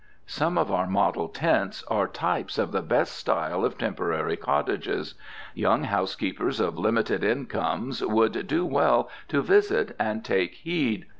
Some of our model tents are types of the best style of temporary cottages. Young housekeepers of limited incomes would do well to visit and take heed.